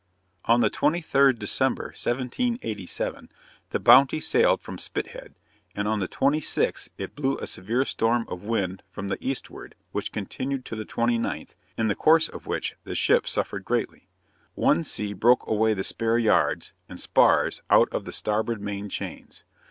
On the 23rd December, 1787, the Bounty sailed from Spithead, and on the 26th it blew a severe storm of wind from the eastward, which continued to the 29th, in the course of which the ship suffered greatly. One sea broke away the spare yards and spars out of the starboard main chains.